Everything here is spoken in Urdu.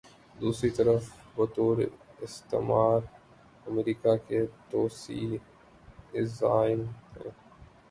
دوسری طرف بطور استعمار، امریکہ کے توسیعی عزائم ہیں۔